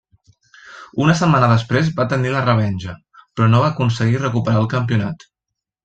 Una setmana després va tenir la revenja, però no va aconseguir recuperar el campionat.